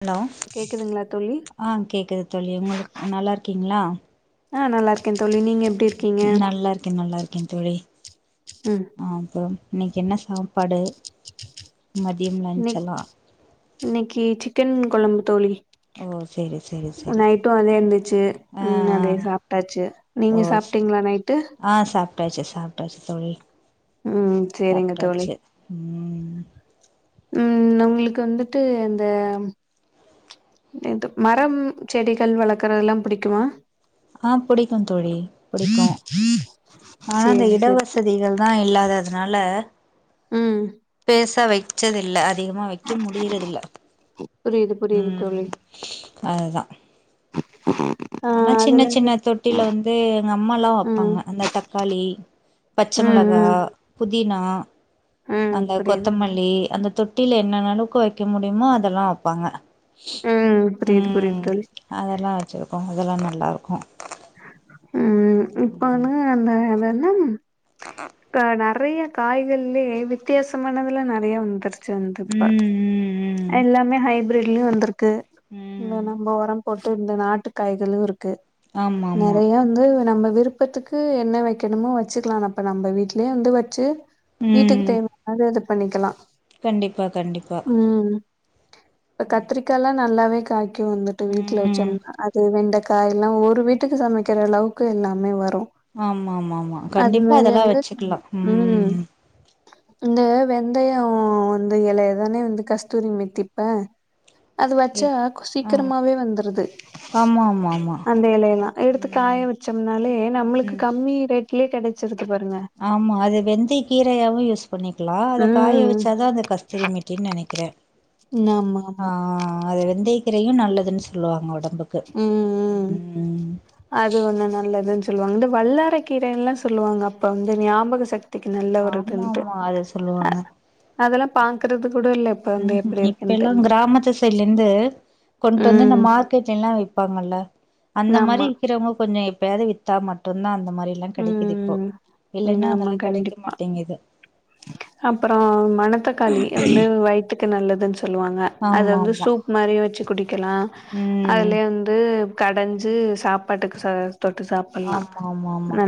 Hello கேக்குதுங்களா தோழி ஆ கேக்குது தோழி உங்களுக்கு நல்லா இருக் கிங்ளா ஆ நல்லாருக் ம் நல்லாருக்க நல்லாருக்க தோழி ம் ஆ அப்றோம் இன்னனக் என்ன சாப்பாடு மதியம் லன்ச் எல்லா இன்னிக் இன்னிக்கு சிக்கன் கொழம்பு தோழி ஓ செரி செரி உ செரி நைட்டும் அதே இருந்துச்சு ஆ ம் அதே சாப்டாச்சு நீங்க சாப்டிங்ளா நைட்டு டாச்சி சாப்டாச்சி தோழி ம் செரிங்க தோழி சாப்ட்டாச்சு ம் ம் உங்ளுக்கு வந்துட்டு அந்த எது மரம் செடிகள் வளக்கறது எல்லாம் பிடிக்குமா ஆ புடிக்கும் தோழி புடிக்கும் ஆனா அந்த சேரி சேரி இடவசதிகள் தா இல்லாததுனால ம் பெருசா வைச்சது இல்ல அத் அதிகமா வைக்க முடியறதில்ல புரியுது புரியுது ம் தோழி அதுதா ஆ ஆனா சின்ன அதுல இருந்து சின்ன தொட்டில வந்து எங்க அம்மா எல்லா வப்பாங்க ம் அந்த தக்காளி பச்ச ம் மொளகா ம் புத் புதினா ம் அந்த புரியுது கொத்தமல்லி அந்தத் தொட்டில என்னன்ன அளவுக்கு வைக்க முடியுமோ அதெல்லா வப்பாங்க ம் புரியுது புரியுது ம் தோழி அதல்லா வச்சிருக்கோ அதெல்லா நல்லாருக்கும் ம் இப்போ வந்துங்க அந்த அது அது ம் இப்ப நறைய காய்கள்லே வித்தியாசமானதெல்லாம் நறைய வந்துருச் சந்துப்பா ம் ம் எல்லாமே ஹைப் ப்ரேட்லியு வந்துரு கு ம் இந்த ம் நம்ப உரம் போட்டு இந்த நாட்டு காய்களு இருக் க்கு ஆமா ஆமா நெறைய வந்து நம்ம விருப்பத்துக்கு என்ன வைக்கணுமோ வச்சுக்கலா அப்போ நம்ம வீட்லயே வந்து வச்சு வீட்டுக்கு ம் தேவையது பண்ணிக்கலா கண்டிப்பா கண்டிப்பா [unintelligible] இப்ப கண்டிப்பா கத்திரிக்காலா நல்லாவே அதும் வந்துட்டு வீட்ல வச்ச ம் அது வெண்ட காய் எல்லா ஒரு வீட்டுக்கு சமைக்கிற அளவுக்கு எல்லாமே வரு ஆமா ஆமா ஆமா அது கண்டிப்பா மாரி அதெல்லா வந்து வச்சுக்கலா ம் இந்த வெந்தய வந்து இல ஏதானே வந்து கஷ் தூரிமைத்திப்ப அது ஏ வச்சா ஆ சீக்கிரமாவே வந்துருது ஆமா ஆமா ஆமா அந்த இலையெல்லா எடுத்து காய ம் வச்சோம்னாலே நம்மளுக்கு ம் கம்மி ரேட் கிளேட் கெடச்சிரு ஆமா அது வெந்தய கீரையாவு யூஸ் பண்ணிக்கலா அத காய ம் வச்சாதா அந்த கஸ்திரி மெட்டின்னு நினைக்கிறே நமா ஆமா கீரையு நல்லதுன்னு சொல்லுவாங்க உட ம் ம் அது ஒண்ண நல்லதுன்னு சொல்லுவாங்க இந்த வல்லறை கீரைல்லா சொல்லுவாங்க அப்ப வந்து ஞாபக சக் த்திக்கு நல்ல ஒரு ஆமா இதுட்டு ஆமா அத அ சொல்லுவாங்க அதெல்லா பா க்கிறது ம் ம் இப்ப எல்லா கிராமத்து சைட்ல இருந்து கொண்டு வந்து இந்த ம் மார்க்கெட் எல்லா விப் பாங்கல்ல அந்த மாரி ஆமா இருக்கிறவங்க கொஞ்ச இப்பயாவது வித்தா மட்டுதா அந் இந்த மாரில்லா கிடைக்குது இப்போ ம் இல்லைன்னா ஆமா அதெல்லா கிடைக்க கண்டிப்பா மாட்டேங்குது அப்புறோ மணத்தக்காளி வந்து வயித்துக்கு நல்லன்னு சொல்லுவாங்க அத ஆமா வந்து ஆமா சூப் மாரியும் வச்சு குடிக் கிலா ம் அதிலே வந்து கடஞ்சு சாப்பாட்டுக்கு ச தொட்டு சாப்பலா ஆமா ஆமா ஆமா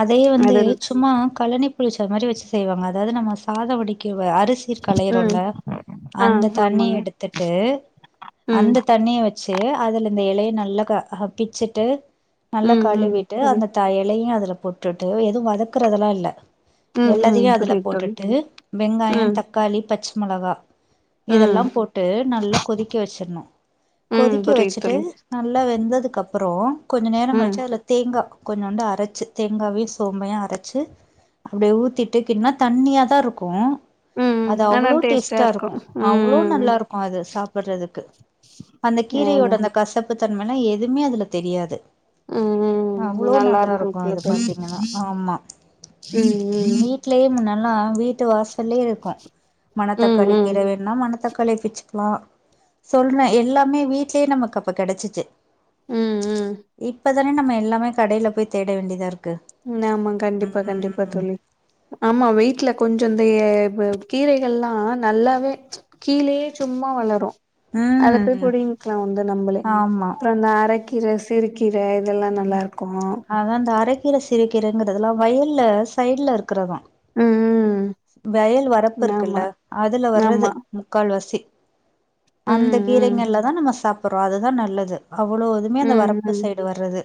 அதைய வந்து சும்மா கழனி புளிச்ச மாரி வச்சு செய்வாங்க அதாது நம்ம சாத வடிக் இவ அரிசி ம் கலையரும்ல ஆ அந்த தண்ணி ஆமாங்க எடுத்துட்டு ம் அந்த தண்ணிய வச்சு ட்டு அதுல இந்த இலைய நல்லா பிச்சுட்டு நல்லா ம் ம் கழுவிட்டு புரி அந்த த எலையும் அது அத போட்டுட்டு எதும் வதக்குறதெல்லா இல்ல ம் ம் எல்லத்தையு அதுல புரியுது தோழி போட்டுட்டு வெங்காய ம் தக்காளி பச் மொளகா ம் இதெல்லா போட்டு நல்லா கொதிக்க வச்சிரணு ம் கொதிக்க புரியுது வச்சுட்டு தோழி நல்லா வெந்தது அதுக்கப்பறோ கொஞ்ச நேரங்கள் ம் சால தேங்கா கொஞ்சோண்டு அரச்சி தேங்காவையு சோம்பையு அரச்சி அப்டியே ஊத்திட்டு கின்னா தண்ணியா தா இருக்கு ம் ம் அது ஆனா அவ்ளோ டேஸ்ட்டா டேஸ்டா இருக்கு அவ்ளோ ம் ம் நல்லா இருக்கு அது சாப்பறதுக்கு அந்த கீரையோட அதா அந்த கசப் இப்ப தன்மனா எதுமே அதுல தெரியாது ம் ம் அவ்ளோ நல்லா இருக்கு போல அது தோழி பாத்தீங்கன்னா ஆமா ம் ம் வீட்லயே முன்னா ல்லா வீட்டு வாஸ் தில்லே இருக்கு ம் மனத்தக்காளி ம் கீற வேணும்னா மனத்தக் களைப்பிச்சுக்கலா சொல்றே எல்லாமே வீட்லயே நமக்கு அப்ப கெடைச்சிச்சு ம் ம் இக் இததானே நம்ம எல்லாமே கடைல போய் தேட வேண்டியதா இருக்கு ஆமா கண்டிப்பா கண்டிப்பா ம் தோழி ஆமா வீட்ல கொஞ் ந்த கீரைகள் ல்லா நல்லாவே ச் கீழேயே சும்மா வளரும் அத போய் ம் புடிங்கலா வந்து நம்மளே ஆமா அப்பறம் அந்த அரக் கிர சிறு கி கீர இதெல்லா நல்லா இருக்குமா கீரை சிறுகீரைங்கிறதுலாம் வயல்ல சைட்ல இருக்கிறதான் ம் ம் வயல் வரப்பு இருக்குல்ல ஆமா அதுல வர்றது ஆமா முக்கால் வாசி அந்த ம் ம் கீரைங்கள்ல தான் நம்ம சாப்பற்றோம் அதுதான் நல்லது அவ்ளோ இதுமே அந்த ம் வரப்பு ம் சைடு வர்றது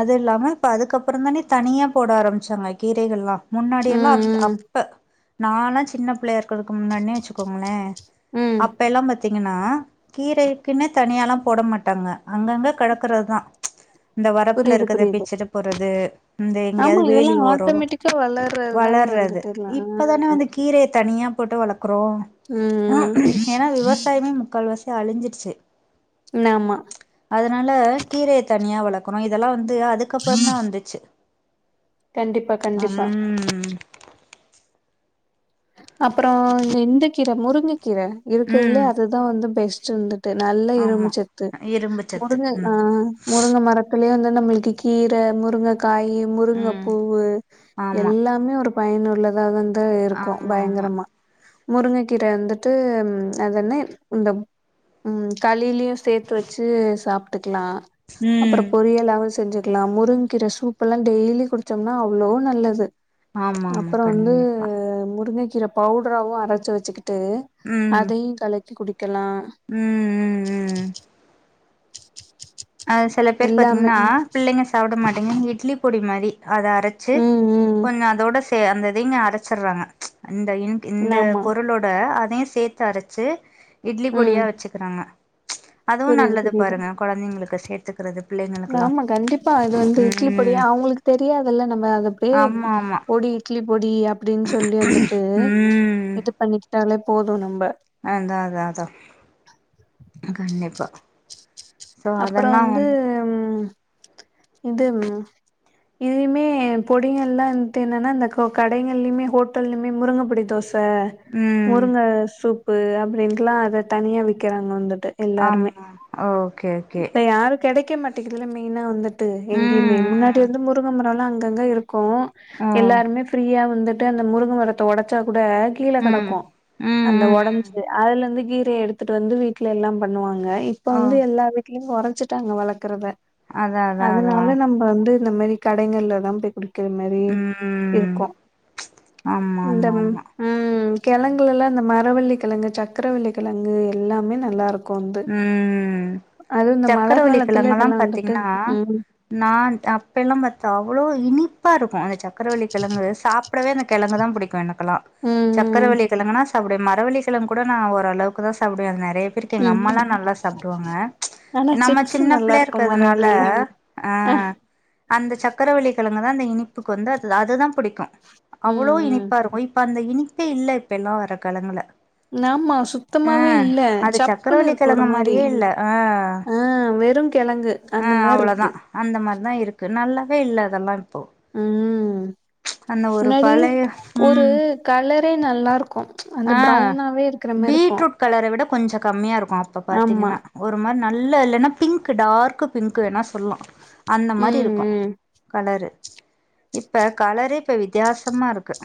அது இல்லாம இப்ப அதுக்கப்புறம் தானே தனியா போட ஆரம்பிச்சாங்க கீரைகள்ல்லாம் முன்னாடி ம் எல்லாம் ம் அப் நான்லாம் சின்ன பிள்ளையா இரு க்க முன்னனே வச்சுக்கோங்களேன் ம் அப்ப எல்லாம் பத் தீங்கன்னா கீரைக்குன்னு தனியாலாம் போட மாட்டாங்க அங்கங்க கடக்குறது தான் இந்த வரப்புல புரியுது இருக்கத புரியுது பிச்சுட்டு போறது இந்த ஆமா எங்கேயாவது இதெல்லா வேலி ஓரோம் ஆட்டோமேட்டிக்கா வளர்றது தானே வளர்றது வந்துட்டு எல்லா இப்பதானே ம் வந்து கீரை தனியா போட்டு வளக் குறோம் ம் ஏன்னா விவசாயமே முக்கால் வாசி அழிஞ்சிருச்சு ம். ஆமா அதனால கீரைய தனியா வளக் கனும் இதெல்லாம் வந்து ட்டு அதுக்கப்புறம் தான் வந்துச்சு கண்டிப்பா கண்டிப்பா ம் அப்புறம் இந்தக்கீரை முருங்க கீரை இருக்குதுலே ம் அதுதான் வந்து பெஸ் சிந்தன் நல்ல ஆமா இரும்புச்சத்து இரும்பு சத்து முருங்கை அ ம் முருங்கை மரத்து [unintelligible] வந்து நம்மளுக்கு கீரை முருங்க காயி ம் முருங்கைப்பூவு ஆமா எல்லாமே ஒரு பயனுள்ளதாக இந்த கும் ஆமா ஆமா பயங்கரமா முருங்கைக்கீரை வந்துட்டு அது என்ன இந்த ம் களிலயையும் சேர்த்து வச்சு சாப்ட்டு லாம் அப்றோ ம் பொரியல்லாவு செஞ்சு இருக்கலா முருங்ககீற சூப் எல்லா டெய்லி குடிச்சோம்னா அவ்ளோ நல்லது ஆமா ஆமா அப்றோ வந்து கண்டிப்பா முருங்கக்கீற பவுட்ராவு அரச்சு வச்சுக்கிட்டு ட்டு ம் அதயு கலக்கி குடி க்கலா ம் ம் அ செல பேர் எல்லாமே பாத்தீங்கனா ம் பிள்ளைங்க சாப்ட மாட்டேங்கானு இட்லி பொடி மாரி அத அரச்சு ம் கொஞ்சோ அதோட அந்த இதங்க அரச்சிறாங்க இந்த ம் இந்த ஆமா பொருளோட சேத்து அரச்சு இட்லி ம் பொடியா வச்சுக்குறாங்க அதுவு புரியுது நல்லது புரியுது பாருங்க கொழந்தைகளுக்கு சேத்துக்குறது ஆமா கண்டிப்பா இது வந்து இட்லி பொடி ம் அவுங்களுக்கு தெரியாது இல்ல நம்ம அது அப்டியே ஆமா ஆமா பொடி இட்லி பொடி அப்டின்னு சொல்லி வந்துட்டு இது பண்ணிட்டாலே போதும் நம்ப அதான் அதான் அதான் கண்டிப்பா சோ அப்புற அதெல்லா வந்து உ இது இதயுமே பொடிகள் எல்லா வந்துட்டு என்னன்னா இந்தந்த கடைகள்லயுமே ஹோட்டல்லயுமே முருங்கப்படி தோச இப்ப ம் முருங்க சூப் உப்பு அப்டின்ல்லா அத தனியா விக்குறாங்க வந்து ஆமா ஓ இப்ப யார் கெட மாட்டதுல மெயினா வந்துட்டு எங்கேயுமே ம் முன்னாடி வந்து ம் முருங்க மர அங்கங்க இருக்கு இருக்கு ஓ எல்லாருமே ஃப்ரீயா வந்து வன்டு அந்த முருங்க மரத்த உடச்சா கூட கீழே ம் ம் கிடக்கு அந்த ம் ம் உடஞ்சு அதுல இருந்து கீரை எடுத்துட்டு வந்து வீட்டுல எல்லா பண்ணுவாங் க இப்ப ஓ வந்து எல்லா [unintelligible] குறைச்சிட்டாங்க வளர்க்கறத அதா அதா அதா அதனால நம்ம வந்து இந்த மாரிடைகல தா போய் கூடு இருக்கிற மாரி ம் இருக்கு ஆமா இந்த ஆமா ஆமா ம் கிழங்க எல்லா அத்த மாரி மரவள்ளி கிழங்கு சக்கரவள்ள கிழங்கு எல்லாமே நல்லா இருக் ம் மழ காலத்துல சக்கரவள்ளிகிழங்க எல்லா இதெல்லா வந்துட்டு பாாரத்தீங்கன்னா ம் நான் அப்ப எல்லா பத்தா அவ்வளோ இனிப்பாக இருக்கு அந்த ச சக்கரவள்ளிகிழங்கு சா சாப்பிடவே என்க கிழங்கு தா பிடிக்கு எனக் க்கலா ம் ம் சக்கரவள்ளிகிழங்குனா அப்படிய மரவள்ளி கிழங்கு கூட நா ஓரளவுக்கு தா சாப்படுவே அது நெறைய எங்க ம் ம் அம்மாலா நல்லா சாப்பிடுவாங்க ஆனா நம்ம சிப்ஸ் சின்ன நல்லா பிள்ளைய இருக்கு இருக்கிறதுனால மரவள்ளில அ ஆ அந்த சக்கரவள்ளி கிழங்கு தா அந்த இனிப்புக்கு வந்து அதுதா பிடிக்கு அவ்வளோ ம் ம் இனிப்பாருக்கு இப்பா அந்த இனி இப்ப இல்ல இப்ப எல்லா வர காலங்கள நமா சுத்தமாவே இல்ல சப் க்ரவள்ள கிழங்க மாரியே இல்ல ஆ வேறும் ஆ அவ்வளோதா அந்த மாரி தா இருக்கு நல்லாவே இல்ல அதெல்லா இப்போ ம் அந்த ஒரு முன்னாடி பழைய ஒரு ம் கலரே நல்லா இருக்கு அந்த ஆ ப்ரௌனாவே இருக்கிற மாரி இருக்கு பீட்ரூட் கலர வி கொஞ்ச கம்மியா இருக் அப்ப ஆமா பாத்தீங்கன்னா ஒரு மாரி நல்ல இல்லன்னா பிங்க் டார்க்க் பிங்க் வேன்னா சொல்லலா அந்த மாரி ம் இருக்கு ம் கலரு இப்ப கலரே இப்ப வித்தியாசமா இருக்கு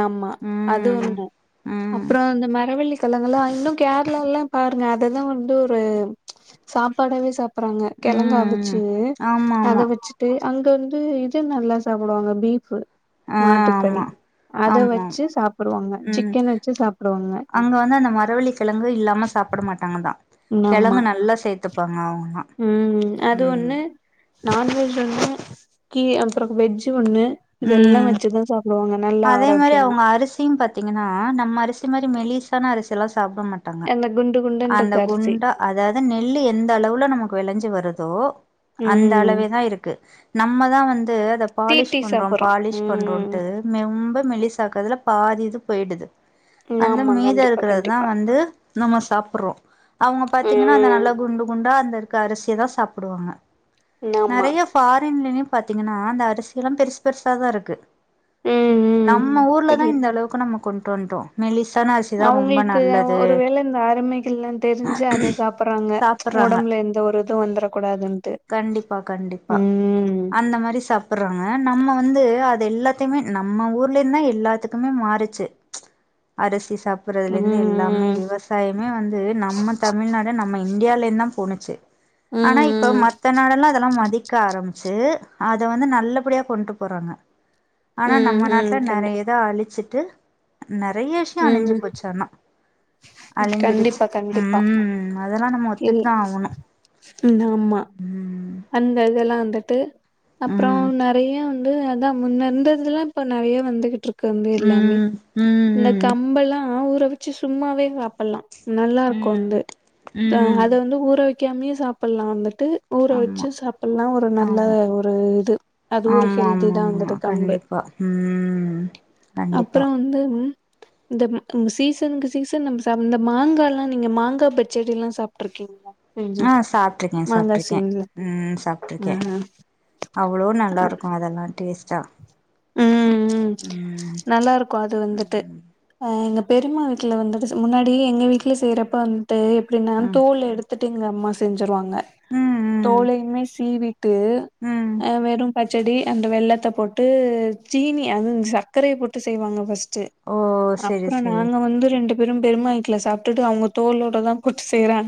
ஆமா அது ம் ஒன்னு ம் அப்றோ இந்த மரவள்ளி கிழங்கெல்லா இன்னு கேரளா எல்லா பாருங்க அததா வந்து ஒரு சாப்பாடாவே சாப்பிட்ட அப்புறங்க கெழங்கா ம் அவுச்சு ஆமா அத ஆமா வச்சுட்டு அங்கவந்து இது நல்லா சாப்டுவாங்க பீஃப் ஆ மாட்டுக்கறி ஆமா அத ஆமா வச்சு சாப்பிட ம் சிக்கன் வச்சு சாப்டுவாங்க அங்க வந்து அந்த மரவள்ளி கெழங்கு இல்லாம சாப்பிட மாட்டாங்கதா ஆமா கிழங்கு நல்லா சேத்துப்பாங்க அவங்கலா உம் அது ம் ஒன்னு நான்வெஜ் ஒன்னு கீ அப்றோ வெஜ்ஜு ஒன்னு இதெல்லா ம் வச்சுதா சாப்டுவாங்க அதே மாரி அவுங்க அரிசியு பாத்தீங்கனா நம்ம அரிசி மாரி மெலிசான அரிசியலா சாப்ட மாட்டாங்க அந்த குண்டு அந்த குண்டுன்ருக்க அரிசி குண்டா அதாவது நெல்லு எந்த அளவுல நமக்கு வெளஞ்சு வருதோ அந்த ம் அளவேதா இருக்கு நம்ம தா வந்து அத பாலிஷ் தீட்டி பண்றோ சாப்புறோ பாலிஷ் ம் பண்றோன்ட்டு ரொம்ப மெல்லிசாக்குறதுல பாதி இது போயிடுது அந்த ஆமா மீத கண்டிப்பா இருக்கிறதுதா கண்டிப்பா வந்து நம்ம சாப்பிடு சாப்புறோ அவுங்க பாத்தீங்கன்னா அந்த ம் நல்ல குண்டு குண்டா அந்த இரு குண்டு அரிசிய தா சாப்டுவாங்க ஆமா நெறய ஃபாரின்லி பாத்தீங்கனா அந்த அரிசியெல்லா பெருசு பெருசாதா இருக்கு ம் ம் நம்ம ஊர்லதா சரி இந்த அளவுக்கு நம்மக்குன் ட்டு வன்ட்டோ மெலி அவுங்களுக்கு ஒருவேல இந்த அருமைகள்லா தெருஞ்சு அத சாப்புர்றாங்க சாப்புட்றாங்க ஒடம்புல எந்த ஒரு இதுவு வந்துர கூடாதுன்ட்டு கண்டிப்பா கண்டிப்பா ம் அந்த மாரி சாப்புட்றாங்க நம்ம வந்து அது எல்லா துமே நம்ம ஊர்ல இந்தா எல்லாத்துக்குமே மாறுச்சு அரிசி சாப்புறதுலெந்து எல்லாமே ம் விவசாயமே வந்து நம்ம தமிழ்நாடு நம்ம இந்தியாலெந்தா போனுச்சு ஆனா இப்ப ம் மத்த நாடெல்லா அதெல்லா மதி க்க ஆரமிச்சு அத வந்து நல்லபடியா கொண்ட்டு போறாங்க ஆனா ம் நம்ம ம் நாட்ல கண்டி நெறையத அழிச்சு ட்டு நெறைய விஷ்யொ அழிஞ்சு ம் போச்சு ஆனா அழிஞ்சிருச்சு கண்டிப்பா கண்டிப்பா ம் அதெல்லா நம்ம ஒத்துட்டு தா ஆகனு நாமா அந்ததுல்லா அந்த ட்டு அப்றோ ம் நெறைய வ ந்து அதா முன்ன இருந்ததல்லா இப்ப நெறைய வந்துகிட்ரு க்குங்க எல்லாமே ம் இந்த ம் கம்பல்லா ஊ ற வச்சு சும்மாவே சாப்புல்லா நல்லாருக்கு ம் வந்து த ம் அத வந்து ஊற வை க்காமயே சாப்புல்லா அந்த ட்டு ஊற வ ஆமா ச்சு சாப்புல்லா ஒரு நல்ல ஆமா ஒரு இது அது ஒரு ஆமா ஹெல்தி ஆமா தா ஆமா வந்துட்டு கம்பு கண்டிப்பா ம் கண்டிப்பா அப்றோ வந்து இந்தம் இந்த சீசன்க்கு சீசன் நம்ம சாப் இந்த மாங்கா லா நீங்க மாங்கா பச்சடில்லா சாப்ட்ருக்கீங்ளா? ஆ சாப்ட்ருக்கே சாப்ட்ருக்கே ம் ம் ஆ சாப்ட்ருக்கே அவ்ளோ நல்லாருக்கு அதெல்லா டேஸ்ட்டா ம் ம் நல்லாருக்கு அது ம் வந்துட்டு ம் அ எங்க பெரிம்மா வீட்ல வந்துட்டு முன்னாடி எங்க வீட்லெ செய்றப்ப ட்டு எப்டின்னா தோல் ம் எடுத்துட்டு எங்க அம்மா வாங்க ம் ம் தோழயுமே சீவிட்டு ம் டு அ வெறு செடி அந்த வெள்ளத்த போட்டு சீனி அதுங் சர்கரைய போட்டு செய்வாங்க ஃபஸ் டு ஓ செரி அப்றோ செரி நாங்க வந்து ரெண்டு வெரு பெரிமா வீட்டுல சாப்டுட்டு அவுங்க தோளோட தா கூட்டு செய்றாங்க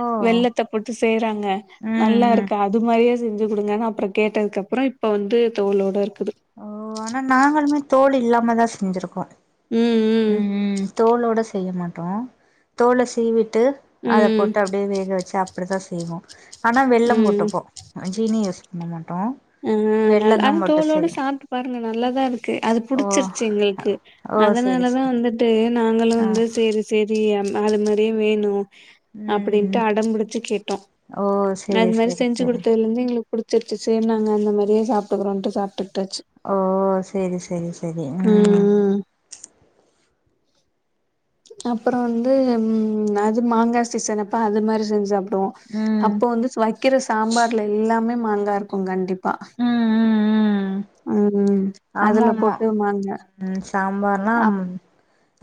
ஓ வெல்லத்த போட்டு செய்றாங்க ம் நல்லா ம் இருக்கு அது மாரியே செஞ்சு குடுங்கன்னு அப்றோ கேட்டதுக்கு அப்றோ இப்ப வந்து தோளோட இருக்குது. ஓ ஆனா நாங்களுமே தோல் இல்லா தா செஞ்சுருக்கோ ம் தோளோட செய்ய மாட்டோம் தோல சீவி ட்டு ம் அத ம் போட்டு அப்டியே வேக வச்சு அப்டிதா ய்வோ அனா வெல்லம் போட்டுப்போ ஜீனி யஸ் னமன் அ அன தோலோட சாப் சாப்டு பாருங்க நல்ல தா இருக்கு அது ஓ புடிச்சிருச்சு எங்களுக்கு ஓ செரி அதனாலதா செரி வந்துட்டு நாங்களு ஆ வந்து செரி செரி அது மாரியே வேணு அப்டின்ட்டு ம் அடம்பிடிச்சு கேட்டோ ஓ அது செரி மாரி செரி செஞ்சு செரி கொடுத்ததுல இருந்து புடிச்சிருச்சு செரி நா நாங்க அந்த மாரியே சாப்டுக்றோம்ட்டு சாப்ட்டு ஒஒ செரி செரி செரி ம் அப்பற வந்து ம் அது மாங்கா சீசன் அப்ப அது மாரி செஞ்சா ப ம் அப்ப வந்து வக்கிற சாம்பார்ல எல்லாமே மாங்கா இருக்கு கண்டிப் ப்பா அ அமா அமா ம் சாம்பார்னா அப்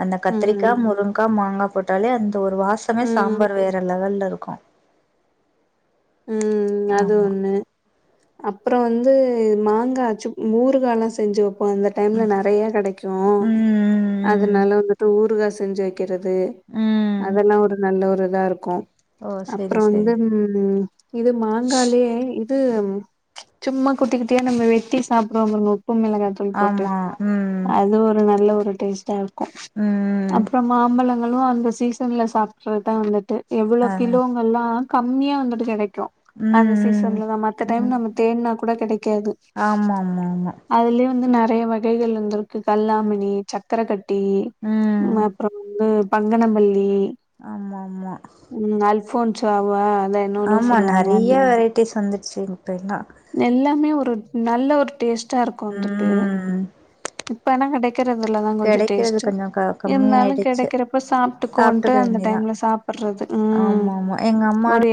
அந்த கத்திரிக்கா ம் முருங்கா மாங்கா போட்டாலே அந் ஒரு வாசமே ம் சாம்பார் வேற லெவல்ல துக்க ம் அது ஆமா ஒண்ணு அப்புறோ வந்து மாங்காச்சுப் மூறுகாலா செஞ்சு வப் ஒ அந்த டைம்ல நெறைய கெடக்கு ம் அதனல வந்துட்டு ஊரு காஸ் செஞ்சய்க் க்கிறது ம் அதெல்லா ஒரு நல்ல ஒரு லா இருக்கு ஓ செரி அப்புறோ வந்து செரி ம் இது மாங்காலே இது சும்மா குட்டி குட்டியா நம்ம வெட்டி சாப்புடுவோ பாருங்க ப்பு மெளகாத்தூள் போட்டு ஆமா ம் அது ஒரு நல்ல ஒர் டேஷ்டா ம் அப்புறோ மாம்பழம் ங்களு அந்த சீசன்ல சாப்படரத்தா ந்துட்டு எவ்வளோ ஆ கிலோங்கலா கம்மியா வந்துட்டு கெடைக் அந்த ம் ம் சீசன்ல நம் அட்ட டைம் ம் நம்ம தேனா கூட கிடைக்காது ஆமா ஆமா ஆமா அதுலயே வந்து ந பே வகைகள் இந்துரு ம் கல்லாமணி சக்கரக்கட்டி ம் அப்புறோ வந்து பங்கனம் பல்லி ஆமா ஆமா ச்ரா அவ தா என்னோன்னு ஆ ஸ் நெறைய வெரைட்டிஸ் வந்துருச்சிட்டுன்னா எல்லாமே ஒரு நல்ல ஒரு டேஸ் ட்டாருக்கு வந்துட்டு இப்பல்லா கெடைக்கறதுல்லாதா கொஞ்சோ கெடைக்கிறது டேஸ்ட் கொஞ்சோ க இருந்தாலு கம்மியாயிடுச்சு கெடைக்கறப்ப சாப்ட்டுகோவன்ட்டு சாப்ட்டுக்க அந்த வேண்டியதா டைம்ல சாப்பறது ம் ஆமா ஆமா எங்க அம்மாலா ஒரு எ